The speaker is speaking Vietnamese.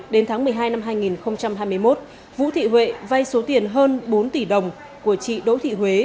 đến tháng một mươi hai năm hai nghìn hai mươi một vũ thị huệ vay số tiền hơn bốn tỷ đồng của chị đỗ thị huế